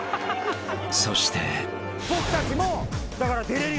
［そして］